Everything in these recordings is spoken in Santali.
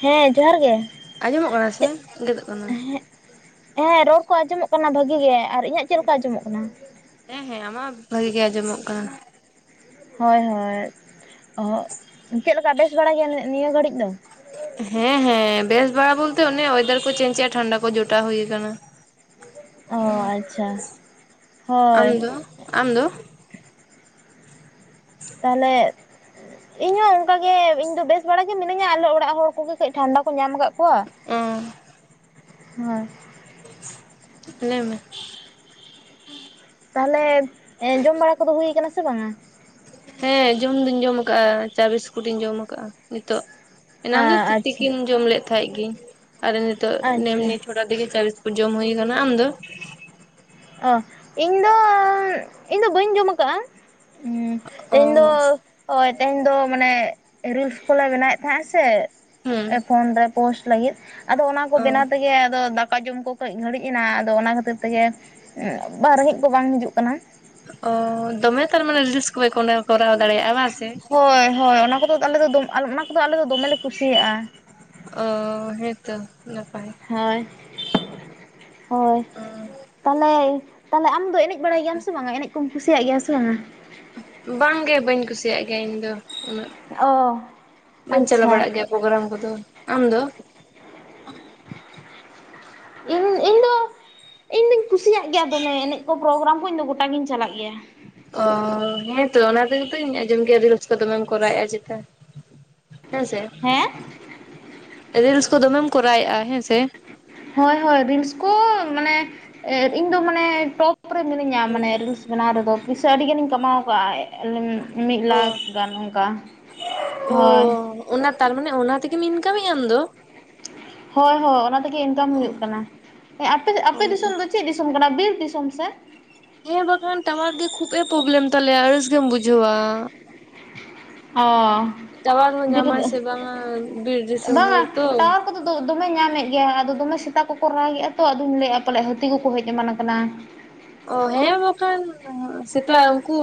ᱦᱮᱸ ᱡᱚᱦᱟᱨ ᱜᱮ ᱟᱸᱡᱚᱢᱚᱜ ᱠᱟᱱᱟ ᱾ ᱥᱮ ᱪᱮᱫ ᱜᱮᱫᱚᱜ ᱠᱟᱱᱟ ᱦᱮᱸ ᱦᱮᱸ, ᱨᱚᱲ ᱠᱚ ᱟᱸᱡᱚᱢᱚᱜ ᱠᱟᱱᱟ ᱵᱷᱟᱹᱜᱤ ᱜᱮ ᱾ ᱟᱨ ᱤᱧᱟᱹᱜ ᱪᱮᱫ ᱞᱮᱠᱟ ᱟᱸᱡᱚᱢᱚᱜ ᱠᱟᱱᱟ? ᱦᱮᱸ ᱦᱮᱸ, ᱟᱢᱟᱜ ᱵᱷᱟᱜᱤ ᱜᱮ ᱟᱸᱡᱚᱢᱚᱜ ᱠᱟᱱᱟ ᱾ ᱦᱳᱭ ᱦᱳᱭ ᱾ ᱪᱮᱫᱞᱮᱠᱟ ᱵᱮᱥ ᱵᱟᱲᱟ ᱜᱮᱭᱟ ᱱᱤᱭᱟᱹ ᱜᱷᱟᱹᱲᱤᱡ ᱫᱚ? ᱦᱮᱸ ᱦᱮᱸ, ᱵᱮᱥ ᱵᱟᱲᱟ ᱵᱚᱞᱛᱮ ᱚᱱᱮ ᱚᱭᱮᱫᱟᱨ ᱠᱚ ᱪᱮᱧᱡᱮᱭᱟ ᱴᱷᱟᱱᱰᱟ ᱠᱚ ᱡᱚᱴᱟᱣ ᱦᱩᱭᱩ ᱟᱠᱟᱱᱟ ᱾ ᱚ ᱟᱪᱪᱷᱟ, ᱟᱢ ᱦᱳᱭ ᱾ ᱫᱚ ᱟᱢ ᱫᱚ? ᱛᱟᱦᱞᱮ ᱤᱧᱦᱚᱸ ᱚᱱᱠᱟᱜᱮ ᱤᱧᱫᱚ ᱵᱮᱥ ᱵᱟᱲᱟ ᱜᱮ ᱢᱤᱱᱟᱹᱧᱟ ᱟᱞᱮ ᱚᱲᱟᱜ ᱦᱚᱲ ᱠᱚᱜᱮ ᱠᱟᱹᱡ ᱴᱷᱟᱱᱰᱟ ᱠᱚ ᱧᱟᱢ ᱟᱠᱟᱫ ᱠᱚᱣᱟ, ᱚᱻ ᱦᱮᱸ ᱾ ᱞᱟᱹᱭ ᱢᱮ ᱾ ᱛᱟᱦᱚᱞᱮ, ᱡᱚᱢ ᱵᱟᱲᱟ ᱠᱚᱫᱚ ᱦᱩᱭᱩ ᱟᱠᱟᱱᱟ ᱥᱮ ᱵᱟᱝᱟ? ᱦᱮᱸ ᱡᱚᱢ ᱫᱩᱧ ᱡᱚᱢ ᱟᱠᱟᱜ ᱪᱟ, ᱵᱤᱥᱠᱩᱴ ᱤᱧ ᱡᱚᱢ ᱟᱠᱟᱜᱼᱟ ᱱᱤᱛᱚᱜ ᱾ ᱮᱱᱟᱱ ᱫᱚ ᱟᱪᱪᱷᱟ ᱛᱤᱠᱤᱱ ᱡᱚᱢ ᱞᱮᱫ ᱛᱟᱦᱮᱸᱫ ᱜᱮ ᱟᱨ ᱱᱤᱛᱚᱜ ᱟᱪᱪᱷᱟ ᱮᱢᱱᱤ ᱛᱷᱚᱲᱟ ᱛᱮᱜᱮ ᱪᱟ ᱵᱤᱥ ᱠᱩᱴ ᱡᱚᱢ ᱦᱩᱭᱩ ᱟᱠᱟᱱᱟ, ᱟᱢ ᱫᱚ? ᱚ, ᱤᱧᱫᱚ ᱤᱧᱫᱚ ᱵᱟᱹᱧ ᱡᱚᱢ ᱟᱠᱟᱜᱼᱟ ᱾ ᱦᱩᱸ, ᱚ ᱤᱧ ᱫᱚ ᱦᱳᱭ ᱾ ᱛᱮᱦᱮᱧ ᱫᱚ ᱢᱟᱱᱮ ᱨᱤᱞᱥ ᱠᱚᱞᱮ ᱵᱮᱱᱟᱣᱮᱫ ᱛᱟᱦᱮᱸᱼᱟ ᱥᱮ ᱦᱮᱸ ᱯᱷᱳᱱ ᱨᱮ ᱾ ᱯᱳᱥᱴ ᱞᱟᱹᱜᱤᱫ ᱟᱫᱚ ᱚᱱᱟ ᱠᱚ ᱚ ᱵᱮᱱᱟᱣ ᱛᱮᱜᱮ ᱟᱫᱚ ᱫᱟᱠᱟ ᱡᱚᱢ ᱠᱚ, ᱠᱟᱹᱡ ᱜᱷᱟᱹᱲᱤᱡ ᱮᱱᱟ ᱟᱫᱚ ᱚᱱᱟ ᱠᱷᱟᱹᱛᱤᱨ ᱛᱮᱜᱮ ᱵᱟ ᱨᱮᱸᱜᱮᱡ ᱠᱚ ᱵᱟᱝ ᱦᱤᱡᱩᱜ ᱠᱟᱱᱟ ᱾ ᱚ ᱫᱚᱢᱮ ᱛᱟᱨ ᱢᱟᱱᱮ ᱨᱤᱞᱥ ᱠᱚ ᱠᱚᱨᱟᱣ ᱫᱟᱲᱮᱭᱟᱜᱼᱟ ᱵᱟᱝ ᱥᱮ ᱾ ᱦᱳᱭ ᱦᱳᱭ ᱚᱱᱟ ᱠᱚᱫᱚ ᱟᱞᱮ ᱫᱚ ᱚᱱᱟ ᱠᱚᱫᱚ ᱟᱞᱮ ᱫᱚ ᱫᱚᱢᱮ ᱞᱮ ᱠᱩᱥᱤᱭᱟᱜᱼᱟ ᱾ ᱚ, ᱦᱮᱛᱳ ᱱᱟᱯᱟᱭ ᱾ ᱦᱳᱭ ᱦᱳᱭ ᱛᱟᱦᱚᱞᱮ ᱛᱟᱦᱚᱞᱮ ᱟᱢᱫᱚ ᱮᱱᱮᱡ ᱮᱱᱮᱡ ᱵᱟᱲᱟᱭ ᱜᱮᱭᱟᱢ ᱥᱮ ᱵᱟᱝ? ᱮᱱᱮᱡ ᱠᱚᱢ ᱠᱩᱥᱤᱭᱟᱜ ᱜᱮᱭᱟ ᱥᱮ ᱵᱟᱝᱟ? ᱵᱟᱝᱜᱮ, ᱵᱟᱹᱧ ᱠᱩᱥᱤᱭᱟᱜ ᱜᱮᱭᱟ ᱤᱧ ᱫᱚ, ᱩᱱᱟᱹᱜ ᱚ ᱵᱟᱹᱧ ᱪᱟᱞᱟᱣ ᱟᱪᱪᱷᱟ ᱵᱟᱲᱟᱜ ᱜᱮᱭᱟ ᱾ ᱯᱳᱜᱨᱟᱢ ᱠᱚᱫᱚ ᱾ ᱟᱢ ᱫᱚ? ᱤᱧ ᱤᱧᱫᱚ ᱤᱧᱫᱚᱧ ᱠᱩᱥᱤᱭᱟᱜ ᱜᱮᱭᱟ ᱫᱚᱢᱮ ᱮᱱᱮᱡ ᱠᱚ, ᱯᱨᱳᱜᱨᱟᱢ ᱠᱚ, ᱤᱧᱫᱚ ᱜᱚᱴᱟᱜᱤᱧ ᱪᱟᱞᱟᱜ ᱜᱮᱭᱟ ᱾ ᱚ, ᱦᱮᱸᱛᱚ ᱚᱱᱟ ᱛᱮᱜᱮ ᱛᱚᱧ ᱟᱸᱡᱚᱢ ᱠᱮᱫ ᱜᱮᱭᱟ ᱟᱹᱰᱤ ᱨᱤᱞᱥ ᱫᱚᱢᱮᱢ ᱠᱚᱨᱟᱣᱮᱫᱼᱟ ᱪᱮᱛᱠᱟ ᱾ ᱦᱮᱸᱥᱮ, ᱦᱮᱸ ᱨᱤᱞᱥ ᱠᱚ ᱫᱚᱢᱮᱢ ᱠᱚᱨᱟᱣᱮᱫᱼᱟ ᱦᱮᱸ ᱥᱮ ᱾ ᱦᱳᱭ ᱦᱳᱭ ᱨᱤᱞᱥ ᱠᱚ ᱢᱟᱱᱮ ᱤᱧᱫᱚ ᱢᱟᱱᱮ ᱴᱚᱯ ᱴᱚᱯ ᱨᱮ ᱢᱮᱱᱟᱹᱧᱟ ᱢᱟᱱᱮ ᱦᱮᱸᱛᱚ ᱨᱤᱞᱥ ᱵᱮᱱᱟᱣ ᱨᱮᱫᱚ, ᱯᱩᱭᱥᱟᱹ ᱟᱹᱰᱤ ᱜᱟᱱᱤᱧ ᱠᱟᱢᱟᱣ ᱟᱠᱟᱫᱼᱟ ᱾ ᱢᱤᱫ ᱚ ᱞᱟᱠᱷ ᱜᱟᱱ ᱚᱱᱠᱟ ᱾ ᱚ ᱦᱳᱭ ᱾ ᱚᱱᱟ ᱛᱟᱨᱢᱟᱱᱮ ᱚᱱᱟ ᱛᱮᱜᱮᱢ ᱤᱱᱠᱟᱢ ᱮᱜ ᱟ ᱟᱢ ᱫᱚ? ᱦᱳᱭ ᱦᱳᱭ ᱚᱱᱟ ᱛᱮᱜᱮ ᱤᱱᱠᱟᱢ ᱦᱩᱭᱩᱜ ᱠᱟᱱᱟ ᱾ ᱟᱯᱮ ᱟᱯᱮ ᱫᱤᱥᱚᱢ ᱫᱚ ᱪᱮᱫ ᱫᱤᱥᱚᱢ ᱠᱟᱱᱟ? ᱵᱤᱨ ᱫᱤᱥᱚᱢ ᱥᱮ? ᱦᱮᱸ ᱵᱟᱠᱷᱟᱱ ᱴᱟᱣᱟᱨ ᱜᱮ ᱠᱷᱩᱵ ᱮ ᱯᱨᱚᱵᱞᱮᱢ ᱛᱟᱞᱮᱭᱟ ᱟᱹᱲᱤᱥ ᱜᱮᱢ ᱵᱩᱡᱷᱟᱹᱣᱟ ᱾ ᱚ ᱴᱟᱣᱟᱨ ᱦᱚᱸ ᱵᱤᱨ ᱧᱟᱢᱟᱭ ᱥᱮ ᱵᱟᱝᱟ ᱵᱤᱨ ᱫᱤᱥᱚᱢ ᱵᱟᱝᱟ ᱦᱚᱲ ᱛᱚ ᱾ ᱴᱟᱣᱟᱨ ᱠᱚᱫᱚ ᱫᱚᱢᱮ ᱧᱟᱢᱮᱫ ᱜᱮᱭᱟ, ᱟᱫᱚ ᱫᱚᱢᱮ ᱥᱮᱛᱟ ᱠᱚᱠᱚ ᱨᱟᱜᱮᱫᱼᱟ ᱛᱚ ᱟᱫᱚᱧ ᱞᱟᱹᱭᱮᱫᱼᱟ ᱯᱟᱞᱮ ᱦᱟᱹᱛᱤ ᱠᱚᱠᱚ ᱦᱮᱡ ᱮᱢᱟᱱ ᱠᱟᱱᱟ ᱾ ᱚ ᱦᱮᱸ ᱵᱟᱠᱷᱟᱱ ᱥᱮᱛᱟ ᱩᱱᱠᱩ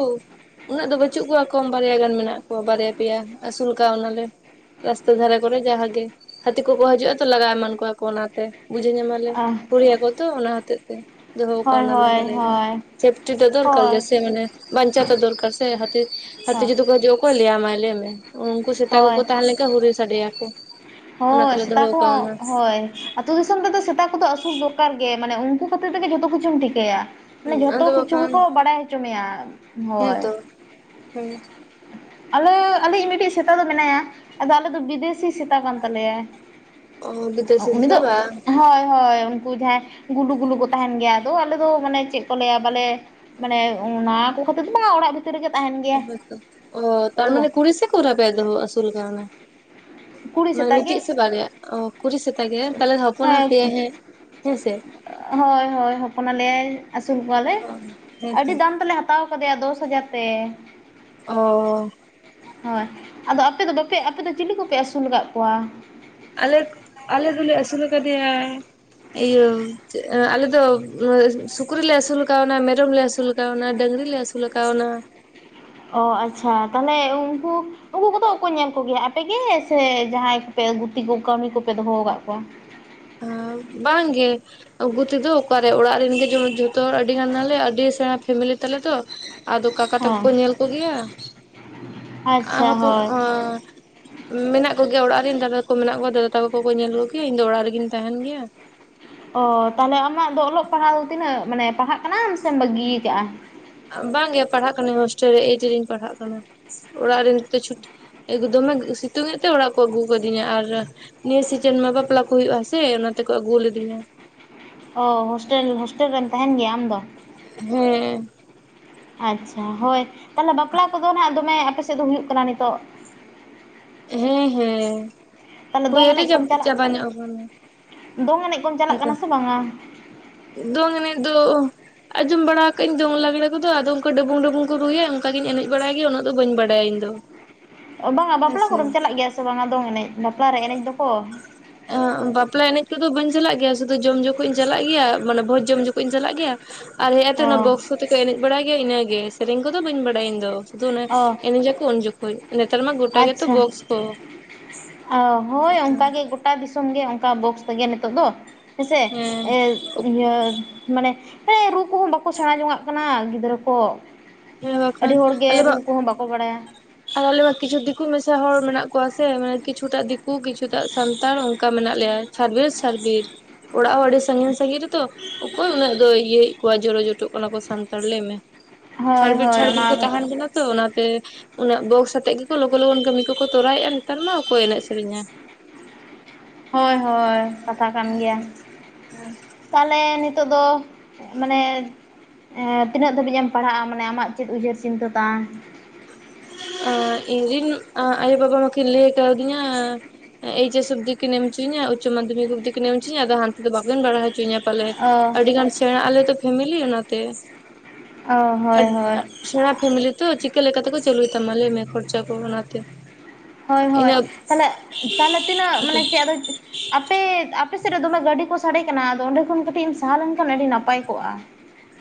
ᱩᱱᱟᱹᱜ ᱫᱚ ᱵᱟᱹᱪᱩᱜ ᱠᱚᱣᱟ ᱠᱚᱢ ᱵᱟᱨᱭᱟ ᱜᱟᱱ ᱢᱮᱱᱟᱜ ᱠᱚᱣᱟ, ᱵᱟᱨᱭᱟ ᱯᱮᱭᱟ ᱟᱹᱥᱩᱞ ᱠᱟᱣ ᱱᱟᱞᱮ ᱾ ᱨᱟᱥᱛᱟ ᱫᱷᱟᱨᱮ ᱠᱚᱨᱮ ᱡᱟᱦᱟᱸ ᱜᱮ ᱦᱟᱹᱛᱤ ᱠᱚ ᱠᱚ ᱦᱤᱡᱩᱜᱼᱟ ᱛᱚ ᱞᱟᱜᱟᱣ ᱮᱢᱟᱱ ᱠᱚᱣᱟ ᱠᱚ ᱚᱱᱟᱛᱮ ᱵᱩᱡᱷᱟᱹᱣ ᱧᱟᱢᱟ ᱾ ᱟᱞᱮ ᱚ ᱠᱩᱲᱦᱤᱭᱟ ᱠᱚ ᱛᱚ ᱚᱱᱟ ᱦᱚᱛᱮᱡ ᱛᱮ ᱫᱚᱦᱚ ᱦᱳᱭ ᱠᱟᱣᱱᱟᱞᱮ ᱾ ᱦᱳᱭ ᱦᱳᱭ ᱥᱮᱯᱴᱤ ᱫᱚ ᱫᱚᱨᱠᱟᱨ ᱦᱳᱭ ᱜᱮᱥᱮ ᱢᱟᱱᱮ ᱵᱟᱧᱪᱟ ᱫᱚᱨᱠᱟᱨ ᱥᱮ ᱦᱟᱛᱤ ᱦᱟᱛᱤ ᱡᱩᱫᱤ ᱦᱤᱡᱩᱜᱼᱟ ᱚᱠᱚᱭ ᱞᱟᱹᱭᱟᱢᱟᱭ ᱞᱟᱹᱭᱢᱮ, ᱩᱱᱠᱩ ᱥᱮᱛᱟ ᱦᱳᱭ ᱠᱚᱠᱚ ᱛᱟᱦᱮᱸ ᱞᱮᱱ ᱠᱷᱟᱱ ᱦᱩᱨᱤ ᱥᱟᱰᱮᱭᱟᱠᱚ ᱾ ᱦᱳᱭ, ᱥᱮᱛᱟ ᱠᱚᱦᱚᱸ ᱦᱳᱭ ᱾ ᱟᱹᱛᱩ ᱫᱤᱥᱚᱢ ᱨᱮᱫᱚ ᱥᱮᱛᱟ ᱠᱚᱫᱚ ᱟᱹᱥᱩᱞ ᱫᱚᱨᱟᱨ ᱜᱮᱭᱟ, ᱢᱟᱱᱮ ᱩᱱᱠᱩ ᱠᱷᱟᱹᱛᱤᱨ ᱛᱮᱜᱮ ᱡᱚᱛᱚ ᱠᱤᱪᱷᱩᱢ ᱴᱷᱤᱠᱟᱹᱭᱟ ᱾ ᱢᱟᱱᱮ ᱦᱩᱸ ᱡᱷᱚᱛᱚ ᱟᱫᱚ ᱠᱤᱪᱷᱩ ᱵᱟᱠᱷᱟᱱ ᱜᱮᱠᱚ ᱵᱟᱲᱟᱭ ᱦᱚᱪᱚ ᱢᱮᱭᱟ ᱦᱳᱭ ᱦᱮᱸᱛᱚ ᱦᱮᱸ ᱟᱞᱮ ᱟᱞᱮ ᱤᱡ ᱢᱤᱫᱴᱤᱡ ᱥᱮᱛᱟ ᱫᱚ ᱢᱮᱱᱟᱭᱟ ᱟᱫᱚ ᱟᱞᱮ ᱫᱚ ᱵᱤᱫᱮᱥᱤ ᱥᱮᱛᱟ ᱠᱟᱱ ᱛᱟᱞᱮᱭᱟ ᱚ ᱵᱤᱫᱮᱥᱤ ᱩᱱᱤ ᱥᱮᱛᱟ ᱫᱚ ᱵᱟᱝ ᱦᱳᱭ ᱦᱳᱭ ᱩᱱᱠᱩ ᱡᱟᱸᱦᱟᱭ ᱜᱩᱞᱩ ᱜᱩᱞᱩ ᱠᱚ ᱛᱟᱦᱮᱱ ᱜᱮᱭᱟ ᱟᱫᱚ ᱟᱞᱮ ᱫᱚ ᱢᱟᱱᱮ ᱪᱮᱫ ᱠᱚ ᱞᱟᱹᱭᱟ ᱵᱟᱞᱮ ᱢᱟᱱᱮ ᱚᱱᱟ ᱠᱚ ᱠᱷᱟᱹᱛᱤᱨ ᱫᱚ ᱵᱟᱝ ᱚᱲᱟᱜ ᱵᱷᱤ ᱵᱷᱤᱛᱤᱨ ᱨᱮᱜᱮ ᱛᱟᱸᱦᱮᱱ ᱜᱮᱭᱟ ᱚ ᱛᱚ ᱛᱟᱨᱢᱟᱱᱮ ᱠᱩᱲᱤ ᱥᱮ ᱠᱚᱲᱟ ᱯᱮ ᱫᱚᱦᱚ ᱟᱹᱥᱩᱞ ᱠᱟᱣᱱᱟ ᱠᱩᱲᱤ ᱢᱟᱱᱮ ᱥᱮᱛᱟ ᱜᱮ ᱢᱤᱫᱴᱤᱡ ᱥᱮ ᱵᱟᱨᱭᱟ ᱚ ᱠᱩᱲᱤ ᱥᱮᱛᱟ ᱜᱮ ᱛᱟᱦᱚᱞᱮ ᱦᱚᱯᱚᱱ ᱟᱯᱮ ᱭᱟᱭ ᱦᱟᱜ ᱦᱮᱸ ᱦᱮᱸᱥᱮ ᱦᱳᱭ ᱦᱳᱭ ᱦᱚᱯᱚᱱ ᱟᱞᱮᱭᱟᱭ ᱟᱹᱥᱩᱞ ᱠᱚᱣᱟᱞᱮ ᱚ ᱦᱮᱸᱛᱚ ᱟᱹᱰᱤ ᱫᱟᱢ ᱛᱮᱞᱮ ᱦᱟᱛᱟᱣ ᱦᱟᱛᱟᱣ ᱠᱟᱫᱮᱭᱟ ᱫᱚᱥ ᱦᱟᱡᱟᱨ ᱛᱮ ᱚ ᱾ ᱦᱳᱭ ᱟᱫᱚ ᱟᱯᱮ ᱫᱚ ᱵᱟᱯᱮ ᱟᱯᱮᱫ ᱫᱚ ᱪᱤᱞᱤ ᱠᱚᱯᱮ ᱟᱹᱥᱩᱞ ᱠᱟᱫ ᱠᱚᱣᱟ? ᱟᱞᱮ ᱟᱞᱮ ᱫᱚᱞᱮ ᱟᱹᱥᱩᱞ ᱟᱠᱟ ᱫᱮᱭᱟ ᱤᱭᱟᱹ ᱟᱞᱮᱫᱚ ᱥᱩᱠᱨᱤ ᱞᱮ ᱟᱹᱥᱩᱞ ᱠᱟᱣᱱᱟ ᱢᱮᱨᱚᱢ ᱞᱮ ᱟᱹᱥᱩᱞ ᱠᱟᱣᱱᱟ ᱰᱟᱝᱨᱤ ᱞᱮ ᱟᱹᱥᱩᱞ ᱟᱹᱥᱩᱞ ᱠᱟᱣᱱᱟ ᱚ ᱟᱪᱪᱷᱟ ᱛᱟᱦᱚᱞᱮ ᱩᱱᱠᱩ ᱩᱱᱠᱩ ᱠᱚᱫᱚ ᱚᱠᱚᱭ ᱧᱮᱞ ᱠᱚᱜᱮᱭᱟ ᱟᱯᱮ ᱜᱮ ᱥᱮ ᱡᱟᱦᱟᱸᱭ ᱥᱮ ᱜᱩᱛᱤ ᱠᱚ ᱠᱟᱹᱢᱤ ᱠᱚᱯᱮ ᱫᱚᱦᱚ ᱟᱠᱟᱫ ᱠᱚᱣᱟ ᱵᱟᱝ ᱜᱮ ᱟᱜᱩ ᱛᱮᱫᱚ ᱚᱠᱟ ᱨᱮ ᱚᱲᱟᱜ ᱨᱮᱱ ᱜᱮ ᱡᱚᱛᱚ ᱦᱚᱲ ᱟᱹᱰᱤ ᱜᱟᱱ ᱟᱞᱮ ᱟᱹᱰᱤ ᱥᱮᱬᱟ ᱯᱷᱮᱢᱮᱞᱤ ᱛᱟᱞᱮ ᱛᱚ ᱟᱫᱚ ᱠᱟᱠᱟ ᱛᱟᱠᱚ ᱦᱮᱸ ᱠᱚ ᱧᱮᱞ ᱠᱚᱜᱮᱭᱟ ᱟᱨ ᱟᱪᱪᱷᱟ ᱦᱚᱯᱚᱱ ᱦᱳᱭ ᱢᱮᱱᱟᱜ ᱠᱚᱜᱮᱭᱟ ᱚᱲᱟᱜ ᱨᱮᱱ ᱫᱟᱫᱟ ᱠᱚ ᱫᱟᱫᱟ ᱛᱟᱠᱚ ᱠᱚ ᱧᱮᱞ ᱠᱚᱜᱮᱭᱟ ᱤᱧ ᱫᱚ ᱚᱲᱟᱜ ᱨᱮᱜᱤᱧ ᱛᱟᱦᱮᱱ ᱜᱮᱭᱟ ᱚᱻ ᱛᱟᱦᱚᱞᱮ ᱟᱢᱟᱜ ᱫᱚ ᱚᱞᱚᱜ ᱯᱟᱲᱦᱟᱣ ᱫᱚ ᱛᱤᱱᱟᱹᱜ ᱢᱟᱱᱮ ᱯᱟᱲᱦᱟᱜ ᱠᱟᱱᱟᱢ ᱥᱮᱢ ᱵᱟᱹᱜᱤ ᱭᱟᱠᱟᱜᱼᱟ ᱵᱟᱝ ᱜᱮ ᱯᱟᱲᱦᱟᱜ ᱠᱟᱱᱟᱹᱧ ᱦᱳᱥᱴᱮᱞ ᱨᱮ ᱮᱭᱤᱴ ᱨᱤᱧ ᱯᱟᱲᱦᱟᱜ ᱠᱟᱱᱟ ᱚᱲᱟᱜ ᱨᱮ ᱱᱤᱛ ᱫᱚ ᱪᱷᱩᱴᱤ ᱮᱠ ᱫᱚᱢᱮ ᱥᱤᱛᱩᱝ ᱮ ᱛᱮ ᱚᱲᱟᱜ ᱠᱚ ᱟᱜᱩ ᱟᱠᱟ ᱫᱤᱧᱟ ᱟᱨ ᱱᱤᱭᱟᱹ ᱥᱤᱡᱮᱱ ᱢᱟ ᱵᱟᱯᱞᱟ ᱠᱚ ᱦᱩᱭᱩᱜᱼᱟ ᱥᱮ ᱚᱱᱟ ᱛᱮᱠᱚ ᱟᱹᱜᱩ ᱞᱤᱫᱤᱧᱟ ᱚ ᱦᱳᱥᱴᱮᱞ ᱦᱳᱥᱴᱮᱞ ᱨᱮᱢ ᱛᱟᱸᱦᱮᱱ ᱜᱮᱭᱟ ᱟᱢ ᱫᱚ ᱦᱮᱸ ᱟᱪᱪᱷᱟ ᱦᱳᱭ ᱛᱟᱦᱚᱞᱮ ᱵᱟᱯᱞᱟ ᱠᱚᱫᱚ ᱱᱟᱜ ᱫᱚᱢᱮ ᱟᱯᱮ ᱥᱮᱫ ᱫᱚ ᱦᱩᱭᱩᱜ ᱠᱟᱱᱟ ᱱᱤᱛᱚᱜ ᱦᱮᱸ ᱦᱮᱸ ᱛᱟᱦᱚᱞᱮ ᱫᱚᱝ ᱦᱩᱭᱩᱜ ᱨᱮ ᱮᱱᱮᱡ ᱠᱚᱢ ᱪᱟᱞᱟᱜ ᱪᱟᱵᱟ ᱧᱚᱜ ᱟᱠᱟᱱᱟ ᱫᱚᱝ ᱮᱱᱮᱡ ᱠᱚᱢ ᱦᱮᱸᱥᱮ [unintelligible] ᱫᱚᱝ ᱮᱱᱮᱡ ᱫᱚ ᱟᱸᱡᱚᱢ ᱵᱟᱲᱟ ᱟᱠᱟᱫ ᱟᱹᱧ ᱫᱚᱝ ᱞᱟᱜᱽᱲᱮ ᱠᱚᱫᱚ ᱟᱫᱚ ᱰᱟᱹᱵᱩᱝ ᱰᱟᱹᱵᱩᱝ ᱠᱚ ᱨᱩᱭᱟ ᱚᱱᱠᱟ ᱜᱤᱧ ᱮᱱᱮᱡ ᱵᱟᱲᱟᱭ ᱜᱮᱭᱟ ᱩᱱᱟᱹᱜ ᱫᱚ ᱵᱟᱹᱧ ᱵᱟᱲᱟᱭᱟ ᱤᱧ ᱫᱚ ᱵᱟᱝ-ᱟ ᱵᱟᱯᱞᱟ ᱦᱮᱸᱥᱮ ᱠᱚᱨᱮᱢ ᱪᱟᱞᱟᱜ ᱜᱮᱭᱟ ᱥᱮ ᱵᱟᱝ-ᱟ ᱫᱚᱝ ᱮᱱᱮᱡ ᱵᱟᱯᱞᱟ ᱨᱮ ᱮᱱᱮᱡ ᱫᱚᱠᱚ ᱵᱟᱯᱞᱟ ᱮᱱᱮᱡ ᱠᱚᱫᱚ ᱵᱟᱹᱧ ᱪᱟᱞᱟᱜ ᱜᱮᱭᱟ ᱥᱩᱫᱷᱩ ᱡᱚᱢ ᱡᱚᱠᱷᱚᱡ ᱤᱧ ᱪᱟᱞᱟᱜ ᱜᱮᱭᱟ ᱢᱟᱱᱮ ᱵᱷᱚᱡᱽ ᱡᱚᱢ ᱡᱚᱠᱷᱚᱡ ᱤᱧ ᱪᱟᱞᱟᱜ ᱜᱮᱭᱟ ᱟᱞᱮ ᱟᱛᱳ ᱚ ᱚᱱᱟ ᱵᱚᱠᱥ ᱠᱚᱛᱮ ᱠᱚ ᱮᱱᱮᱡ ᱵᱟᱲᱟᱭ ᱜᱮᱭᱟ ᱤᱱᱟᱹᱜᱮ ᱥᱮᱨᱮᱧ ᱠᱚᱫᱚ ᱵᱟᱹᱧ ᱵᱟᱲᱟᱭᱟ ᱤᱧ ᱫᱚ ᱚ ᱮᱱᱮᱡ ᱟᱠᱚ ᱩᱱ ᱡᱚᱠᱷᱚᱱ ᱱᱮᱛᱟᱨ ᱢᱟ ᱜᱚᱴᱟ ᱜᱮᱛᱚ ᱟᱪᱪᱷᱟ ᱵᱚᱠᱥ ᱠᱚ ᱚ ᱦᱳᱭ ᱚᱱᱠᱟ ᱜᱮ ᱜᱚᱴᱟ ᱫᱤᱥᱚᱢ ᱜᱮ ᱚᱱᱠᱟ ᱵᱚᱠᱥ ᱛᱮᱜᱮ ᱱᱤᱛᱚᱜ ᱫᱚ ᱦᱮᱸᱥᱮ ᱦᱮᱸ ᱮᱜ ᱤᱭᱟᱹ ᱢᱟᱱᱮ ᱨᱩ ᱠᱚᱦᱚ ᱵᱟᱠᱚ ᱥᱮᱬᱟ ᱡᱚᱝᱟᱜ ᱠᱟᱱᱟ ᱜᱤᱫᱽᱨᱟᱹ ᱠᱚ ᱦᱮ ᱵᱟᱠᱷᱟᱱ ᱟᱹᱰᱤ ᱦᱚᱲᱜᱮ ᱟᱞᱮ ᱨᱩ ᱢᱟ ᱠᱚᱦᱚ ᱵᱟᱠᱚ ᱵᱟᱲᱟᱭᱟ ᱟᱨ ᱟᱞᱮ ᱢᱟ ᱠᱤᱪᱷᱩ ᱫᱤᱠᱩ ᱢᱮᱥᱟ ᱦᱚᱲ ᱢᱮᱱᱟᱜ ᱠᱚᱣᱟ ᱥᱮ ᱢᱟᱱᱮ ᱠᱤᱪᱷᱩ ᱴᱟᱜ ᱫᱤᱠᱩ ᱠᱤᱪᱷᱩ ᱴᱟᱜ ᱥᱟᱱᱛᱟᱲ ᱚᱱᱠᱟ ᱢᱮᱱᱟᱜ ᱞᱮᱭᱟ ᱪᱷᱟᱲᱵᱤᱲ ᱪᱷᱟᱲᱵᱤᱲ ᱚᱲᱟᱜ ᱦᱚᱸ ᱟᱹᱰᱤ ᱥᱟᱺᱜᱤᱧ ᱥᱟᱺᱜᱤᱧ ᱨᱮᱛᱚ ᱚᱠᱚᱭ ᱩᱱᱟᱹᱜ ᱫᱚᱭ ᱤᱭᱟᱹᱭᱮᱫ ᱠᱚᱣᱟ ᱡᱚᱲᱚ ᱡᱚᱴᱚᱜ ᱠᱟᱱᱟ ᱠᱚ ᱥᱟᱱᱛᱟᱲ ᱞᱟᱹᱭ ᱢᱮ ᱦᱳᱭ ᱪᱷᱟᱲᱵᱤᱲ ᱦᱳᱭ ᱪᱷᱟᱲᱵᱤᱲ ᱚᱱᱟ ᱠᱚ ᱛᱟᱸᱦᱮᱱ ᱠᱟᱱᱟ ᱛᱚ ᱚᱱᱟ ᱛᱮ ᱩᱱᱟᱹᱜ ᱵᱚᱠᱥ ᱟᱛᱮᱜ ᱜᱮᱠᱚ ᱞᱚᱜᱚᱱ ᱞᱚᱜᱚᱱ ᱠᱟᱹᱢᱤ ᱠᱚᱠᱚ ᱛᱚᱨᱟᱭᱮᱫᱼᱟ ᱱᱮᱛᱟᱨ ᱢᱟ ᱟᱠᱚᱭ ᱮᱱᱮᱡ ᱥᱮᱨᱮᱧᱟ ᱦᱳᱭ ᱦᱳᱭ ᱠᱟᱛᱷᱟ ᱠᱟᱱ ᱜᱮᱭᱟ ᱛᱟᱦᱚᱞᱮ ᱱᱤᱛᱚᱜ ᱫᱚ ᱢᱟᱱᱮ ᱮᱸ ᱛᱤᱱᱟᱹᱜ ᱫᱷᱟᱹᱵᱤᱡ ᱮᱢ ᱯᱟᱲᱦᱟᱜᱼᱟ ᱢᱟᱱᱮ ᱟᱢᱟᱜ ᱪᱮᱫ ᱩᱭᱦᱟᱹᱨ ᱪᱤᱱᱛᱟᱹ ᱛᱟᱢ ᱟ ᱤᱧᱨᱮᱧ ᱟᱭᱳ ᱵᱟᱵᱟ ᱢᱟᱠᱤᱱ ᱞᱟᱹᱭ ᱠᱟᱣᱫᱤᱧᱟ ᱮᱭᱤᱪ ᱮᱥ ᱚᱵᱫᱤ ᱠᱤᱱ ᱮᱢ ᱦᱚᱪᱚᱧᱟ ᱩᱪᱪᱚ ᱢᱟᱫᱷᱚᱢᱤᱠ ᱚᱵᱫᱤ ᱠᱤᱱ ᱮᱢ ᱦᱚᱪᱚᱧᱟ ᱟᱫᱚ ᱦᱟᱱᱛᱮ ᱫᱚ ᱵᱟᱠᱤᱱ ᱯᱟᱲᱦᱟᱣ ᱦᱚᱪᱚᱧᱟ ᱯᱟᱞᱮ ᱚ ᱟᱹᱰᱤ ᱜᱟᱱ ᱥᱮᱬᱟ ᱟᱞᱮ ᱛᱚ ᱯᱷᱮᱢᱮᱞᱤ ᱚᱱᱟ ᱛᱮ ᱚ ᱦᱳᱭ ᱦᱳᱭ ᱥᱮᱬᱟ ᱯᱷᱮᱢᱮᱞᱤ ᱛᱚ ᱪᱤᱠᱟᱹ ᱞᱮᱠᱟ ᱛᱮᱠᱚ ᱪᱟᱹᱞᱩᱭ ᱛᱟᱢᱟ ᱞᱟᱹᱭᱢᱮ ᱠᱷᱚᱨᱪᱟ ᱠᱚ ᱚᱱᱟᱛᱮ ᱦᱳᱭ ᱦᱳᱭ ᱤᱱᱟᱹ ᱛᱟᱦᱞᱮ ᱛᱟᱦᱞᱮ ᱛᱤᱱᱟᱹᱜ ᱢᱟᱱᱮ ᱪᱮᱫ ᱟᱫᱚ ᱟᱯᱮ ᱟᱯᱮ ᱥᱮᱫ ᱨᱮ ᱫᱚᱢᱮ ᱜᱟᱹᱰᱤ ᱠᱚ ᱥᱟᱰᱮ ᱠᱟᱱᱟ ᱟᱫᱚ ᱚᱸᱰᱮ ᱠᱷᱚᱱ ᱠᱟᱹᱴᱤᱡ ᱮᱢ ᱥᱟᱦᱟ ᱞᱮᱱᱠᱷᱟᱱ ᱟᱹᱰᱤ ᱱᱟᱯᱟᱭ ᱠᱚᱜᱼᱟ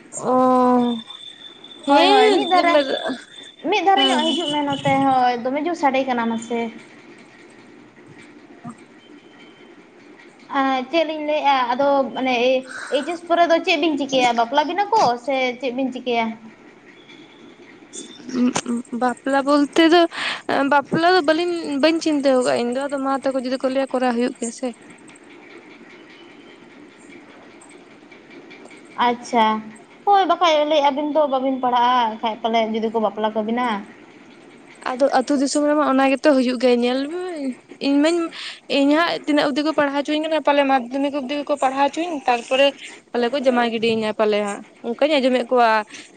ᱚᱻ ᱦᱳᱭ ᱦᱳᱭ ᱢᱤᱫ ᱫᱷᱟᱨᱮ ᱢᱤᱫ ᱫᱷᱟᱨᱮ ᱦᱮᱸ ᱧᱚᱜ ᱦᱤᱡᱩᱜ ᱢᱮ ᱱᱚᱛᱮ ᱦᱳᱭ ᱫᱚᱢᱮ ᱡᱳᱨ ᱥᱟᱰᱮ ᱠᱟᱱᱟ ᱢᱟᱥᱮ ᱪᱮᱫ ᱞᱤᱧ ᱞᱟᱹᱭ ᱮᱫᱟ ᱟᱫᱚ ᱢᱟᱱᱮ ᱮᱭᱤᱪ ᱮᱥ ᱯᱚᱨᱮ ᱫᱚ ᱪᱮᱫ ᱵᱤᱱ ᱪᱤᱠᱟᱹᱭᱟ ᱵᱟᱯᱞᱟ ᱵᱤᱱᱟ ᱠᱚ ᱥᱮ ᱪᱮᱫ ᱵᱤᱱ ᱪᱤᱠᱟᱹᱭᱟ ᱵᱟᱯᱞᱟ ᱵᱚᱞᱛᱮ ᱫᱚ ᱵᱟᱯᱞᱟ ᱫᱚ ᱵᱟᱹᱞᱤᱧ ᱵᱟᱹᱧ ᱪᱤᱱᱛᱟᱹ ᱟᱠᱟᱜᱼᱟ ᱤᱧ ᱫᱚ ᱟᱫᱚ ᱢᱟ ᱛᱟᱠᱚ ᱡᱩᱫᱤ ᱠᱚ ᱞᱟᱹᱭᱟ ᱠᱚᱨᱟᱣ ᱦᱩᱭᱩᱜ ᱜᱮᱭᱟ ᱥᱮ ᱟᱪᱪᱷᱟ ᱦᱳᱭ ᱵᱟᱠᱷᱟᱡ ᱞᱟᱹᱭᱮᱫ ᱟᱹᱵᱤᱱ ᱫᱚ ᱵᱟᱹᱵᱤᱱ ᱯᱟᱲᱦᱟᱜᱼᱟ ᱮᱱᱠᱷᱟᱡ ᱯᱟᱞᱮᱫ ᱡᱩᱫᱤ ᱠᱚ ᱵᱟᱯᱞᱟ ᱠᱟᱵᱤᱱᱟ ᱟᱫᱚ ᱟᱹᱛᱩ ᱫᱤᱥᱚᱢ ᱨᱮᱢᱟ ᱚᱱᱟ ᱜᱮᱛᱚ ᱦᱩᱭᱩᱜ ᱜᱮ ᱧᱮᱞ ᱢᱮ ᱤᱧ ᱢᱟᱧ ᱤᱧ ᱦᱟᱸᱜ ᱛᱤᱱᱟᱹᱜ ᱚᱵᱫᱤ ᱠᱚ ᱯᱟᱲᱦᱟᱣ ᱦᱚᱪᱚᱧ ᱠᱟᱱᱟ ᱯᱟᱞᱮ ᱢᱟᱫᱽᱫᱷᱚᱢᱤᱠ ᱚᱵᱫᱤ ᱜᱮᱠᱚ ᱯᱟᱲᱦᱟᱣ ᱦᱚᱪᱚᱧ ᱛᱟᱨᱯᱚᱨᱮ ᱯᱟᱞᱮ ᱠᱚ ᱡᱟᱢᱟᱭ ᱜᱤᱰᱤᱧᱟᱹ ᱯᱟᱞᱮ ᱦᱟᱸᱜ ᱚᱱᱠᱟᱧ ᱟᱸᱡᱚᱢᱮᱫ ᱠᱚᱣᱟ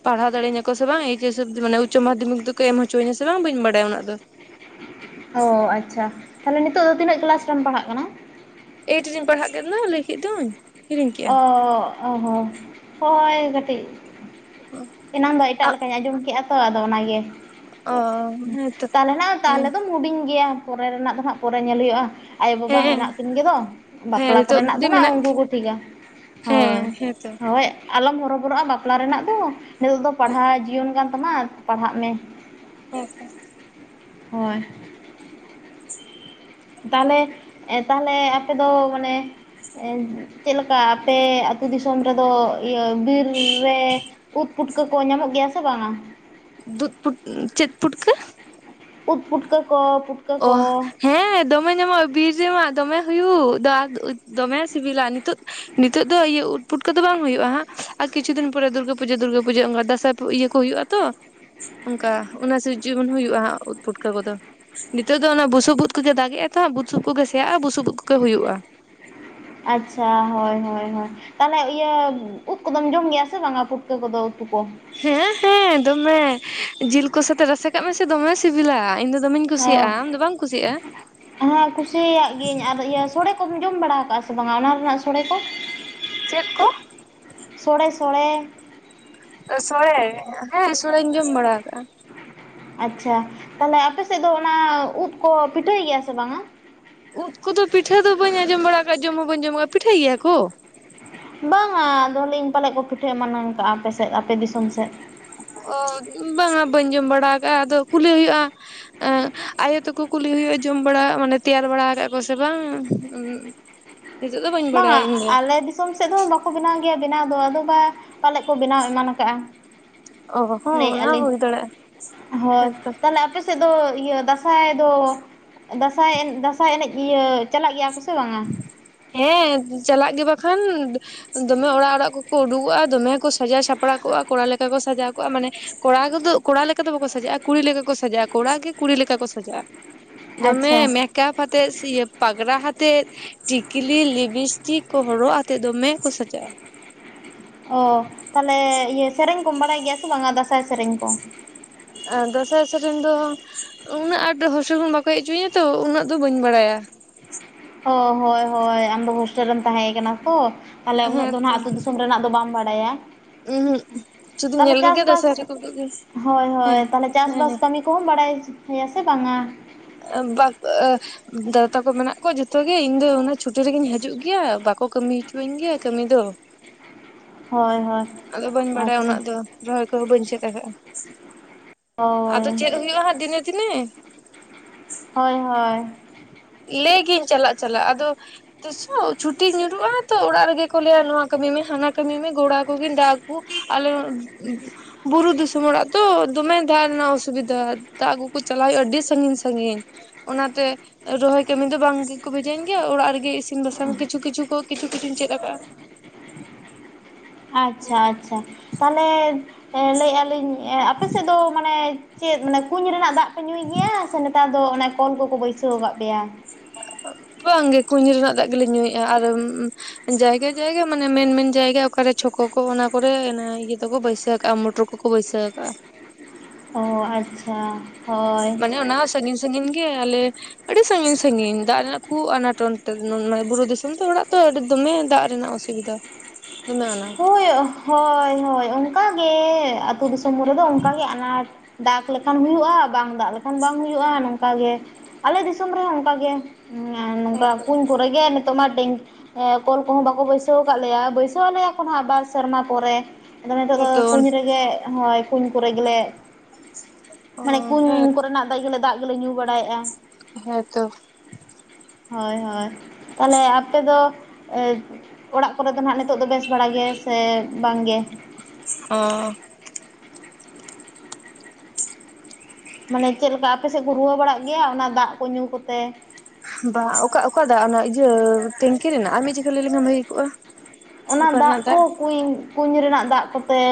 ᱯᱟᱲᱦᱟᱣ ᱫᱟᱲᱮᱧᱟᱹ ᱠᱚ ᱥᱮ ᱵᱟᱝ ᱮᱭᱤᱪᱮᱥ ᱢᱟᱱᱮ ᱩᱪᱪᱚ ᱢᱟᱫᱷᱚᱢᱤᱠ ᱫᱚᱠᱚ ᱮᱢ ᱦᱚᱪᱚᱧᱟ ᱥᱮ ᱵᱟᱝ ᱵᱟᱹᱧ ᱵᱟᱲᱟᱭᱟ ᱚᱱᱟ ᱫᱚ ᱚ ᱟᱪᱪᱷᱟ ᱛᱟᱦᱞᱮ ᱱᱤᱛᱚᱜ ᱫᱚ ᱛᱤᱱᱟᱹᱜ ᱠᱮᱞᱟᱥ ᱨᱮᱢ ᱯᱟᱲᱦᱟᱜ ᱠᱟᱱᱟ? ᱮᱭᱤᱴ ᱨᱮᱧ ᱯᱟᱲᱦᱟᱜ ᱠᱮᱱ ᱫᱚ ᱞᱟᱹᱭ ᱠᱮᱫ ᱫᱚᱧ ᱦᱤᱲᱤᱧ ᱠᱮᱜᱼᱟ ᱚ ᱦᱚᱸ ᱦᱳᱭ ᱠᱟᱹᱴᱤᱡ ᱚ ᱮᱱᱟᱝ ᱫᱚ ᱮᱴᱟᱜ ᱞᱮᱠᱟᱧ ᱟᱸᱡᱚᱢ ᱠᱮᱫᱼᱟ ᱛᱚ ᱟᱫᱚ ᱚᱱᱟᱜᱮ ᱚ ᱦᱮᱸᱛᱚ ᱛᱟᱦᱚᱞᱮ ᱱᱟ ᱦᱮᱸ ᱛᱟᱦᱚᱞᱮ ᱫᱚᱢ ᱦᱮᱰᱤᱧ ᱜᱮᱭᱟ ᱯᱚᱨᱮ ᱨᱮᱱᱟᱜ ᱫᱚ ᱦᱟᱸᱜ ᱯᱚᱨᱮ ᱧᱮᱞ ᱦᱩᱭᱩᱜᱼᱟ ᱟᱭᱳᱼᱵᱟᱵᱟ ᱦᱮᱸ ᱦᱮᱱᱟᱜ ᱠᱤᱱ ᱜᱮᱫᱚ ᱦᱮᱸ ᱵᱟᱯᱞᱟ ᱱᱤᱛᱚᱜ ᱠᱚᱨᱮᱱᱟᱜ ᱫᱚ ᱱᱟᱜ ᱢᱮᱱᱟᱜ ᱩᱱᱠᱩ ᱠᱚ ᱴᱷᱤᱠᱟ ᱦᱳᱭ ᱦᱮᱸ ᱦᱮᱸᱛᱚ ᱦᱳᱭ ᱟᱞᱚᱢ ᱦᱚᱨᱚᱵᱚᱨᱚᱜᱼᱟ ᱵᱟᱯᱞᱟ ᱨᱮᱱᱟᱜ ᱫᱚ ᱱᱤᱛᱚᱜ ᱫᱚ ᱯᱟᱲᱦᱟᱣ ᱡᱤᱭᱚᱱ ᱠᱟᱱ ᱛᱟᱢᱟ ᱯᱟᱲᱦᱟᱜ ᱢᱮ ᱦᱮᱸ ᱛᱚ ᱦᱳᱭ ᱛᱟᱦᱚᱞᱮ ᱮᱸ ᱛᱟᱦᱚᱞᱮ ᱟᱯᱮ ᱫᱚ ᱢᱟᱱᱮ ᱪᱮᱫᱞᱮᱠᱟ ᱟᱯᱮ ᱟᱹᱛᱩ ᱫᱤᱥᱚᱢ ᱨᱮᱫᱚ ᱤᱭᱟᱹ ᱵᱤᱨ ᱨᱮ ᱩᱫ ᱯᱩᱴᱠᱟᱹ ᱠᱚ ᱧᱟᱢᱚᱜ ᱜᱮᱭᱟ ᱥᱮ ᱵᱟᱝᱟ ᱫᱩᱫ ᱯᱩᱴ ᱪᱮᱫ ᱯᱩᱴᱠᱟᱹ ᱩᱴ ᱯᱩᱴᱠ ᱠᱚ ᱯᱩᱴ ᱚ ᱦᱮᱸ ᱫᱚᱢᱮ ᱧᱟᱢᱚᱜ ᱵᱤᱨ ᱨᱮᱢᱟ ᱫᱚᱢᱮ ᱦᱩᱭᱩᱜ ᱫᱚᱢᱮ ᱥᱤᱵᱤᱞᱟ ᱱᱤᱛᱚᱜ ᱱᱤᱛᱚᱜ ᱫᱚ ᱤᱭᱟᱹ ᱩᱴ ᱯᱩᱴᱠᱟ ᱫᱚ ᱵᱟᱝ ᱦᱩᱭᱩᱜᱼᱟ ᱦᱟᱸᱜ ᱟᱨ ᱠᱤᱪᱷᱩ ᱫᱤᱱ ᱯᱚᱨᱮ ᱫᱩᱨᱜᱟᱹ ᱯᱩᱡᱟᱹ ᱫᱩᱨᱜᱟᱹ ᱯᱩᱡᱟᱹ ᱚᱱᱠᱟ ᱫᱟᱸᱥᱟᱭ ᱤᱭᱟᱹ ᱠᱚ ᱦᱩᱭᱩᱜᱼᱟ ᱛᱚ ᱚᱱᱠᱟ ᱚᱱᱟ ᱥᱮ ᱡᱮᱢᱚᱱ ᱦᱩᱭᱩᱜᱼᱟ ᱦᱟᱸᱩᱫ ᱯᱩᱴᱠᱟᱹ ᱠᱚᱫᱚ ᱱᱤᱛᱚᱜ ᱫᱚ ᱚᱱᱟ ᱵᱩᱥᱩᱵ ᱩᱫ ᱠᱚᱜᱮ ᱫᱟᱜ ᱮᱼᱟ ᱛᱚ ᱵᱩᱥᱩᱵ ᱠᱚᱜᱮ ᱥᱮᱭᱟᱜᱼᱟ ᱵᱩᱥᱩᱵ ᱠᱚᱜᱮ ᱦᱩᱭᱩᱜᱼᱟ ᱟᱪᱪᱷᱟ ᱦᱳᱭ ᱦᱳᱭ ᱦᱳᱭ ᱛᱟᱦᱚᱞᱮ ᱤᱭᱟᱹ ᱩᱫ ᱠᱚᱫᱚᱢ ᱡᱚᱢ ᱜᱮᱭᱟ ᱥᱮ ᱵᱟᱝᱟ ᱯᱷᱩᱴᱠᱟᱹ ᱠᱚᱫᱚ ᱩᱛᱩ ᱠᱚ ᱦᱮᱸ ᱦᱮᱸ ᱫᱚᱢᱮ ᱡᱤᱞ ᱠᱚ ᱥᱟᱛᱮ ᱨᱟᱥᱮ ᱠᱟᱜ ᱢᱮᱥᱮ ᱫᱚᱢᱮ ᱥᱤᱵᱤᱞᱟ ᱤᱧ ᱫᱚ ᱫᱚᱢᱮᱧ ᱚ ᱠᱩᱥᱤᱭᱟᱜᱼᱟ ᱟᱢ ᱫᱚ ᱵᱟᱢ ᱠᱩᱥᱤᱭᱟᱜᱼᱟ ᱦᱮᱸ ᱠᱩᱥᱤᱭᱟᱜ ᱜᱤᱭᱟᱹᱧ ᱟᱨ ᱤᱭᱟᱹ ᱥᱚᱲᱮ ᱠᱚᱢ ᱡᱚᱢ ᱵᱟᱲᱟ ᱟᱠᱟᱟᱜᱼᱟ ᱥᱮ ᱵᱟᱝᱟ ᱚᱱᱟ ᱨᱮᱱᱟᱜ ᱥᱚᱲᱮ ᱠᱚ ᱪᱮᱫ ᱠᱚ ᱥᱚᱲᱮ ᱥᱚᱲᱮ ᱥᱚᱲᱮ ᱦᱮᱸ ᱥᱚᱲᱮᱧ ᱡᱚᱢ ᱵᱟᱲᱟ ᱟᱠᱟᱫᱟ ᱟᱪᱷᱟ ᱛᱟᱦᱞᱮ ᱟᱯᱮ ᱥᱮᱫ ᱫᱚ ᱚᱱᱟ ᱩᱫ ᱠᱚ ᱯᱤᱴᱷᱟᱹᱭ ᱜᱮᱭᱟ ᱥᱮ ᱵᱟᱝᱟ ᱩᱫ ᱠᱚᱫᱚ ᱯᱤᱴᱷᱟᱹ ᱫᱚ ᱵᱟᱹᱧ ᱟᱸᱡᱚᱢ ᱵᱟᱲᱟ ᱟᱠᱟᱫ ᱡᱚᱢ ᱦᱚᱸ ᱵᱟᱹᱧ ᱡᱚᱢ ᱟᱠᱟᱜᱼᱟ ᱯᱤᱴᱷᱟᱹᱭ ᱜᱮᱭᱟ ᱠᱚ ᱵᱟᱝᱟ ᱫᱚ ᱟᱦᱚᱞᱮ ᱤᱧ ᱯᱟᱞᱮᱫ ᱠᱚ ᱯᱤᱴᱷᱟᱹ ᱮᱢᱟᱱᱟᱝ ᱠᱟᱜᱼᱟ ᱟᱯᱮ ᱥᱮᱫ ᱟᱯᱮ ᱫᱤᱥᱚᱢ ᱥᱮᱫ ᱚ ᱵᱟᱝᱟ ᱵᱟᱹᱧ ᱡᱚᱢ ᱵᱟᱲᱟ ᱟᱠᱟᱜᱼᱟ ᱟᱫᱚ ᱠᱩᱞᱤ ᱦᱩᱭᱩᱜᱼᱟ ᱮᱸ ᱟᱭᱳ ᱛᱟᱠᱚ ᱠᱩᱞᱤ ᱦᱩᱭᱩᱜᱼᱟ ᱡᱚᱢ ᱵᱟᱲᱟ ᱢᱟᱱᱮ ᱛᱮᱭᱟᱨ ᱵᱟᱲᱟ ᱠᱟᱜ ᱠᱚ ᱥᱮ ᱵᱟᱝ ᱫᱚ ᱵᱟᱹᱧ ᱵᱟᱝᱟ ᱵᱟᱲᱟᱭᱟ ᱤᱧ ᱫᱚ ᱟᱞᱮ ᱫᱤᱥ ᱫᱤᱥᱚᱢ ᱥᱮᱫ ᱫᱚ ᱵᱟᱠᱚ ᱵᱮᱱᱟᱣ ᱜᱮᱭᱟ ᱵᱮᱱᱟᱣ ᱫᱚ ᱟᱫᱚ ᱵᱟ ᱯᱟᱞᱮᱫ ᱠᱚ ᱵᱮᱱᱟᱣ ᱮᱢᱟᱱ ᱟᱠᱟᱜᱼᱟ ᱚ ᱦᱚᱸ ᱞᱟᱹᱭ ᱚᱱᱟ ᱦᱚᱸ ᱮᱜᱼᱟᱞᱤᱧ ᱦᱩᱭ ᱫᱟᱲᱮᱭᱟᱜᱼᱟ ᱦᱳᱭ ᱦᱮᱸ ᱛᱚ ᱛᱟᱦᱞᱮ ᱟᱯᱮ ᱥᱮᱫ ᱫᱚ ᱫᱟᱸᱥᱟᱭ ᱫᱚ ᱫᱟᱸᱥᱟᱭ ᱮ ᱫᱟᱸᱥᱟᱭ ᱮᱱᱮᱡ ᱤᱭᱟᱹ ᱪᱟᱞᱟᱜ ᱜᱮᱭᱟ ᱠᱚ ᱥᱮ ᱵᱟᱝᱟ ᱦᱮᱸ ᱪᱟᱞᱟᱜ ᱜᱮ ᱵᱟᱠᱷᱟᱱ ᱫᱚᱢᱮ ᱚᱲᱟᱜ ᱚᱲᱟᱜ ᱠᱚᱠᱚ ᱩᱰᱩᱠᱚᱜᱼᱟ ᱫᱚᱢᱮ ᱠᱚ ᱥᱟᱡᱟᱣ ᱥᱟᱯᱲᱟᱣ ᱠᱚᱜᱼᱟ ᱠᱚᱲᱟ ᱞᱮᱠᱟ ᱠᱚ ᱥᱟᱡᱟᱣ ᱠᱚᱜᱼᱟ ᱢᱟᱱᱮ ᱠᱚᱲᱟ ᱠᱚᱫᱚ ᱠᱚᱲᱟ ᱞᱮᱠᱟ ᱫᱚ ᱵᱟᱠᱚ ᱥᱟᱡᱟᱜᱼᱟ ᱠᱩᱲᱤ ᱞᱮᱠᱟ ᱠᱚ ᱥᱟᱡᱟᱜᱼᱟ ᱠᱚᱲᱟ ᱜᱮ ᱠᱩᱲᱤ ᱞᱮᱠᱟ ᱠᱚ ᱥᱟᱡᱟᱜᱼᱟ ᱫᱚᱢᱮ ᱟᱪᱪᱷᱟ ᱢᱮᱠᱟᱯ ᱦᱟᱛᱮ ᱤᱭᱟᱹ ᱯᱟᱜᱽᱨᱟ ᱦᱟᱛᱮ ᱟᱛᱮᱫ ᱴᱤᱠᱞᱤ ᱞᱤᱵᱤᱥᱴᱤᱠ ᱠᱚ ᱦᱚᱨᱚᱜ ᱟᱛᱮᱫ ᱫᱚᱢᱮ ᱠᱚ ᱥᱟᱡᱟᱜᱼᱟ ᱚ ᱛᱟᱞᱮ ᱤᱭᱟᱹ ᱥᱮᱨᱮᱧ ᱠᱚᱢ ᱵᱟᱲᱟᱭ ᱜᱮᱭᱟ ᱥᱮ ᱵᱟᱝᱟ ᱫᱟᱸᱥᱟᱭ ᱥᱮᱨᱮᱧ ᱠᱚ ᱟᱨ ᱫᱟᱸᱥᱟᱭ ᱥᱮᱨᱮᱧ ᱫᱚ ᱩᱱᱟᱹᱜ ᱟᱸᱴ ᱦᱚᱥᱩᱞ ᱦᱚᱸ ᱵᱟᱠᱚ ᱦᱪᱚᱤᱧᱟᱹ ᱛᱚ ᱩᱱᱟᱹᱜ ᱫᱚ ᱵᱟᱹᱧ ᱵᱟᱲᱟᱭᱟ ᱚ ᱦᱳᱭ ᱦᱳᱭ ᱟᱢ ᱫᱚ ᱦᱳᱥᱴᱮᱞ ᱨᱮᱢ ᱛᱟᱦᱮᱸ ᱠᱟᱱᱟ ᱛᱚ ᱛᱟᱞᱦᱮ ᱩᱱᱟᱹᱜ ᱦᱮᱸ ᱫᱚ ᱛᱚ ᱱᱟᱦᱜ ᱟᱹᱛᱩ ᱫᱤᱥᱚᱢ ᱨᱮᱱᱟᱜ ᱫᱚ ᱵᱟᱢ ᱵᱟᱰᱟᱭᱟ ᱩᱦᱩᱜ ᱥᱩᱫᱩᱧ ᱛᱟᱦᱞᱮ ᱧᱮᱞ ᱪᱟᱥ ᱠᱚᱜᱮᱭᱟ ᱵᱟᱥ ᱫᱟᱸᱥᱟᱭ ᱨᱮᱠᱚ ᱦᱮᱸ ᱦᱳᱭ ᱦᱳᱭ ᱦᱮᱸ ᱛᱟᱞᱦᱮ ᱪᱟᱥ ᱦᱮᱸ ᱵᱟᱥ ᱠᱟᱹᱢᱤ ᱠᱚ ᱦᱚᱸᱢ ᱵᱟᱲᱟᱭ ᱜᱮᱭᱟ ᱥᱮ ᱵᱟᱝᱟ ᱵᱟ ᱫᱟᱫᱟ ᱛᱟᱠᱚ ᱢᱮᱱᱟᱜ ᱠᱚᱣᱟ ᱡᱚᱛᱚ ᱜᱮ ᱤᱧ ᱫᱚ ᱚᱱᱟ ᱪᱷᱩᱴᱤ ᱨᱮᱜᱤᱧ ᱦᱤᱡᱩᱜ ᱜᱮᱭᱟ ᱵᱟᱠᱚ ᱠᱟᱹᱢᱤ ᱦᱚᱪᱚᱣᱟᱹᱧ ᱜᱮᱭᱟ ᱠᱟᱹᱢᱤ ᱫᱚ ᱦᱳᱭ ᱦᱳᱭ ᱟᱫᱚ ᱵᱟᱹᱧ ᱵᱟᱰᱟᱭᱟ ᱟᱪᱪᱷᱟ ᱩᱱᱟᱹᱜ ᱫᱚ ᱨᱚᱦᱚᱭ ᱠᱚᱦᱚᱸ ᱵᱟᱹᱧ ᱪᱮᱫ ᱟᱠᱟᱟᱜᱼᱟ ᱦᱳᱭ ᱟᱫᱚ ᱪᱮᱫ ᱦᱩᱭᱩᱜᱼᱟ ᱦᱟᱸᱜ ᱫᱤᱱᱮ ᱫᱤᱱᱮ ᱦᱳᱭ ᱦᱳᱭ ᱞᱮᱟᱹᱭ ᱜᱤᱭᱟᱹᱧ ᱪᱟᱞᱟᱜ ᱪᱟᱞᱟᱜ ᱟᱫᱚ ᱛᱤᱥᱚᱜ ᱪᱷᱩᱴᱤ ᱧᱩᱨᱩᱜᱼᱟ ᱛᱚ ᱚᱲᱟᱜ ᱨᱮᱜᱮ ᱠᱚ ᱞᱟᱹᱭᱟ ᱱᱚᱣᱟ ᱠᱟᱹᱢᱤ ᱢᱮ ᱦᱟᱱᱟ ᱠᱟᱹᱢᱤ ᱢᱮ ᱜᱚᱲᱟ ᱠᱚᱜᱮᱧ ᱫᱟᱜ ᱟᱞᱩ ᱵᱩᱨᱩ ᱫᱤᱥᱚᱢ ᱚᱲᱟᱜ ᱛᱚ ᱫᱚᱢᱮ ᱫᱟᱜ ᱨᱮᱱᱟᱜ ᱚᱥᱩᱵᱤᱫᱷᱟ ᱫᱟᱜ ᱟᱹᱜᱩ ᱠᱚ ᱪᱟᱞᱟᱣ ᱦᱩᱭᱩᱜᱼᱟ ᱟᱹᱰᱤ ᱥᱟᱺᱜᱤᱧ ᱥᱟᱺᱜᱤᱧ ᱚᱱᱟ ᱛᱮ ᱨᱚᱦᱚᱭ ᱠᱟᱹᱢᱤ ᱫᱚ ᱵᱟᱝ ᱜᱮᱠᱚ ᱵᱷᱮᱡᱟᱧ ᱜᱮᱭᱟ ᱚᱲᱟᱜ ᱨᱮᱜᱮ ᱤᱥᱤᱱ ᱵᱟᱥᱟᱝ ᱠᱤᱪᱷᱩ ᱠᱤᱪᱷᱩ ᱠᱚᱤᱪᱷᱩ ᱠᱤᱪᱷᱩᱧ ᱪᱮᱫ ᱟᱠᱟᱜᱼᱟ ᱟᱪᱪᱷᱟ ᱟᱪᱪᱷᱟ ᱛᱟᱞᱦᱮ ᱞᱟᱹᱭᱮᱜᱼᱟᱞᱤᱧ ᱟᱯᱮ ᱥᱮᱫ ᱫᱚ ᱢᱟᱱᱮ ᱪᱮᱫ ᱢᱟᱱᱮ ᱠᱩᱧ ᱨᱮᱱᱟᱜ ᱫᱟᱜ ᱯᱮ ᱧᱩᱭ ᱜᱮᱭᱟ ᱥᱮ ᱱᱮᱛᱟᱨ ᱫᱚ ᱚᱱᱮ ᱦᱚᱯᱚᱱ ᱠᱚᱠᱚ ᱵᱟᱹᱭᱥᱟᱹᱣ ᱟᱠᱟᱫ ᱯᱮᱭᱟ ᱵᱟᱝ ᱜᱮ ᱠᱩᱧ ᱨᱮᱱᱟᱜ ᱫᱟᱜ ᱜᱮᱞᱮ ᱧᱩᱭᱮᱜᱼᱟ ᱟᱨ ᱡᱟᱭᱜᱟ ᱡᱟᱭᱜᱟ ᱢᱟᱱᱮ ᱢᱮᱱ ᱢᱮᱱ ᱡᱟᱭᱜᱟ ᱚᱠᱟᱨᱮ ᱪᱷᱚᱠᱳ ᱠᱚ ᱚᱱᱟᱠᱨᱮ ᱤᱭᱟᱹ ᱫᱚᱠᱚ ᱵᱟᱹᱭᱥᱟᱹ ᱠᱟᱜᱼᱟ ᱢᱚᱴ ᱢᱚᱴᱚᱨ ᱠᱚᱠᱚ ᱵᱟᱹᱭᱥᱟᱹ ᱠᱟᱜᱼᱟ ᱚ ᱟᱪᱪᱷᱟ ᱦᱳᱭ ᱢᱟᱱᱮ ᱚᱱᱟ ᱥᱟᱺᱜᱤᱧ ᱥᱟᱺᱜᱤᱧ ᱜᱮ ᱟᱞᱮ ᱟᱹᱰᱤ ᱥᱟᱺᱜᱤᱧ ᱥᱟᱺᱜᱤᱧ ᱫᱟᱜ ᱨᱮᱱᱟᱜ ᱠᱷᱩᱵ ᱟᱱᱟᱴ ᱚᱱᱛᱮ ᱢᱟᱱᱮ ᱵᱩᱨᱩ ᱫᱤᱥᱚᱢ ᱛᱚ ᱚᱲᱟᱜ ᱛᱚ ᱟᱹᱰᱤ ᱫᱚᱢᱮ ᱫᱟᱜ ᱨᱮᱱᱟᱜ ᱚᱥᱚᱵᱤᱫᱷᱟ ᱥᱵᱤᱫᱷᱟ ᱫᱚᱢᱱᱟ [unintelligible] ᱦᱳᱭ ᱦᱳᱭ ᱦᱳᱭ ᱚᱱᱠᱟ ᱜᱮ ᱟᱹᱛᱩ ᱫᱤᱥᱚᱢ ᱠᱚᱨᱮ ᱫᱚ ᱚᱱᱠᱟ ᱜᱮ ᱟᱱᱟᱴ ᱫᱟᱜ ᱞᱮᱠᱷᱟᱱ ᱦᱩᱭᱩᱜᱼᱟ ᱵᱟᱝ ᱫᱟᱜᱽ ᱞᱮᱠᱷᱟᱱ ᱦᱩᱭᱩᱜᱼᱟ ᱵᱟᱝ ᱫᱟᱜ ᱞᱮᱠᱷᱟᱱ ᱵᱟᱝ ᱦᱩᱭᱩᱜᱼᱟ ᱱᱚᱝᱠᱟ ᱜᱮ ᱟᱞᱮ ᱫᱤᱥᱚᱢ ᱨᱮᱦᱚᱸ ᱚᱱᱠᱟ ᱜᱮ ᱦᱮᱸ ᱱᱚᱝᱠᱟ ᱦᱮᱸᱛᱚ ᱠᱩᱧ ᱠᱚᱨᱮ ᱜᱮ ᱱᱤᱛᱚᱜ ᱢᱟ ᱴᱮᱝᱠ ᱠᱚᱞ ᱠᱚᱦᱚᱸ ᱵᱟᱠᱚ ᱵᱟᱹᱭᱥᱟᱹᱣ ᱟᱠᱟᱫ ᱞᱮᱭᱟ ᱵᱟᱹᱭᱥᱟᱹᱣ ᱟᱞᱮᱭᱟ ᱠᱚ ᱦᱟᱸᱜ ᱵᱟᱨ ᱥᱮᱨᱢᱟ ᱯᱚᱨᱮ ᱟᱫᱚ ᱱᱤᱛᱚᱜ ᱫᱚ ᱦᱮᱸᱛᱚ ᱠᱩᱧ ᱨᱮᱜᱮ ᱦᱳᱭ ᱠᱩᱧ ᱠᱚᱨᱮ ᱜᱮᱞᱮ ᱚ ᱢᱟᱱᱮ ᱦᱮᱸ ᱠᱩᱧ ᱠᱚᱨᱮᱱᱟᱜ ᱜᱮᱞᱮ ᱫᱟᱜ ᱜᱮᱞᱮ ᱧᱩ ᱵᱟᱲᱟᱭᱮᱫᱼᱟ ᱦᱮᱸ ᱛᱚ [inaudible] ᱦᱳᱭ ᱦᱳᱭ ᱛᱟᱦᱚᱞᱮ ᱟᱯᱮ ᱫᱚ ᱚᱲᱟᱜ ᱠᱚᱨᱮ ᱫᱚ ᱱᱟᱦᱟᱜ ᱱᱤᱛᱚᱜ ᱫᱚ ᱵᱮᱥ ᱵᱮᱥ ᱵᱟᱲᱟ ᱜᱮ ᱥᱮ ᱵᱟᱝ ᱜᱮ ᱚᱸ ᱢᱟᱱᱮ ᱪᱮᱫ ᱞᱮᱠᱟ ᱟᱯᱮ ᱥᱮᱫ ᱠᱚ ᱨᱩᱣᱟᱹ ᱵᱟᱲᱟᱜ ᱜᱮᱭᱟ ᱚᱱᱟ ᱫᱟᱜ ᱠᱚ ᱧᱩ ᱠᱚᱛᱮ? ᱵᱟᱸ ᱚᱠᱟ ᱚᱠᱟ ᱫᱟᱜ ᱚᱱᱟ ᱤᱭᱟᱹ ᱴᱮᱝᱠᱤ ᱨᱮᱱᱟᱜ ᱟᱨ ᱢᱤᱫ ᱪᱤᱠᱟᱹ ᱞᱟᱹᱭ ᱞᱮᱠᱷᱟᱱ ᱵᱷᱟᱜᱤ ᱠᱚᱜ-ᱟ ᱚᱱᱟ ᱫᱟᱜ ᱠᱳ ᱠᱩᱧ ᱠᱩᱧ ᱨᱮᱱᱟᱜ ᱫᱟᱜ ᱠᱚᱛᱮ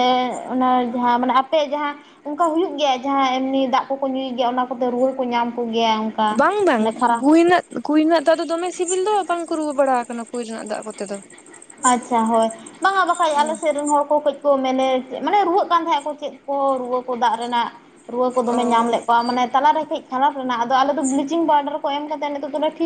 ᱚᱱᱟ ᱡᱟᱦᱟᱸ ᱢᱟᱱᱮ ᱟᱯᱮᱭᱟᱜ ᱡᱟᱦᱟᱸ ᱚᱱᱠᱟ ᱦᱩᱭᱩᱜ ᱜᱮᱭᱟ ᱡᱟᱦᱟᱸ ᱮᱢᱱᱤ ᱫᱟᱜ ᱠᱚᱠᱚ ᱧᱩᱭ ᱜᱮᱭᱟ ᱚᱱᱟ ᱠᱚᱛᱮ ᱨᱩᱣᱟᱹᱲ ᱠᱚ ᱧᱟᱢ ᱠᱚ ᱜᱮᱭᱟ᱾ ᱵᱟᱝ ᱵᱟᱝ ᱦᱩᱭ ᱨᱮᱱᱟᱜ ᱠᱩᱧ ᱨᱮᱱᱟᱜ ᱫᱟᱜ ᱫᱚ ᱫᱚᱢᱮ ᱥᱤᱵᱤᱞ ᱫᱚ ᱵᱟᱝ ᱠᱚ ᱨᱩᱣᱟᱹ ᱵᱟᱲᱟ ᱟᱠᱟᱱᱟ ᱠᱩᱧ ᱨᱮᱱᱟᱜ ᱫᱟᱜ ᱠᱚᱛᱮ ᱫᱚ ᱟᱪᱪᱷᱟ ᱦᱳᱭ ᱵᱟᱝᱟ ᱵᱟᱠᱷᱟᱡ ᱟᱞᱮ ᱥᱮᱫ ᱨᱮᱱ ᱦᱚᱲ ᱠᱚ ᱠᱟᱹᱡ ᱠᱚ ᱢᱮᱱᱮᱡ ᱢᱟᱱᱮ ᱨᱩᱣᱟᱹᱜ ᱠᱟᱱ ᱛᱟᱦᱮᱸᱜ ᱟᱠᱚ ᱪᱮᱫ ᱠᱚ ᱨᱩᱣᱟᱹ ᱠᱚ ᱫᱟᱜ ᱨᱮᱱᱟᱜ ᱨᱩᱣᱟᱹ ᱠᱚ ᱫᱚᱢᱮ ᱧᱟᱢ ᱚ ᱞᱮᱫ ᱠᱚᱣᱟ ᱢᱟᱱᱮ ᱛᱟᱞᱟ ᱨᱮ ᱠᱟᱹᱡ ᱠᱷᱟᱨᱟᱯ ᱞᱮᱱᱟ ᱟᱫᱚ ᱟᱞᱮ ᱫᱚ ᱵᱞᱤᱪᱤᱝ ᱯᱟᱣᱰᱟᱨ ᱠᱚ ᱮᱢ ᱠᱟᱛᱮ ᱱᱤᱛᱚᱜ ᱫᱚᱢᱮ ᱴᱷᱤᱠ